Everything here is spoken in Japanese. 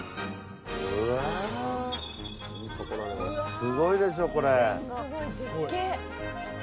すごいでしょこれ。